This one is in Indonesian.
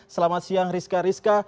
selamat siang rizka rizka